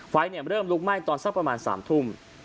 ไฟเริ่มลุกไหม้ตอนสักประมาณ๓ทุ่ม